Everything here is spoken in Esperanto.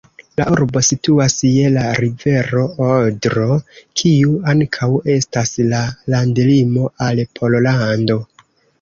La urbo situas je la rivero Odro, kiu ankaŭ estas la landlimo al Pollando.